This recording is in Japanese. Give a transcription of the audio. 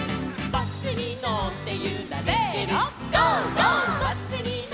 「バスにのってゆられてるゴー！